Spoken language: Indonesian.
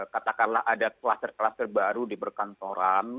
katakanlah ada kluster kluster baru di perkantoran